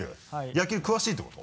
野球詳しいってこと？